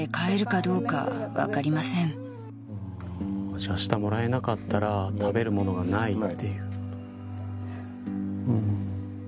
じゃあ、あしたもらえなかったら食べるものがないということ。